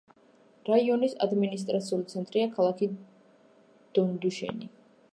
რაიონის ადმინისტრაციული ცენტრია ქალაქი დონდუშენი.